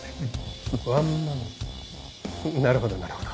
なるほどなるほど。